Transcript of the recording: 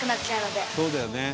「そうだよね！